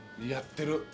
やってる。